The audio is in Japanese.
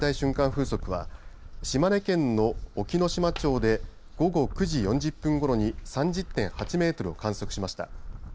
風速は島根県の隠岐の島町で午後９時４０分ごろに３０．８メートルを観測しました。